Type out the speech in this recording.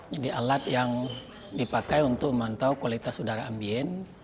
jadi alat yang dipakai untuk memantau kualitas udara ambien